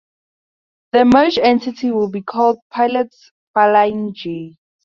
The merged entity will be called Pilot Flying J.